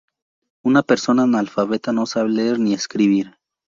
Una persona analfabeta no sabe leer ni escribir.